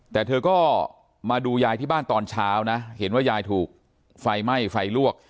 แต่เธอก็มาดูยายที่บ้านตอนเช้านะเห็นว่ายายถูกไฟไหม้ไฟลวก